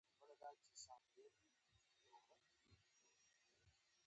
خو دنیا څخه په هیله د خیرات دي